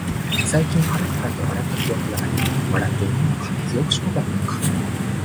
最近腹抱えて笑った記憶がない。笑っていないのか、記憶障害なのか。